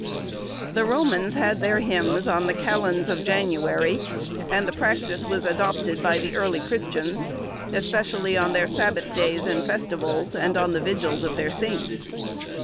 The Romans had their hymns on the calends of January, and the practice was adopted by the early Christians, especially on their Sabbath days and festivals, and on the vigils of their saints.